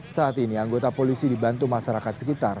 saat ini anggota polisi dibantu masyarakat sekitar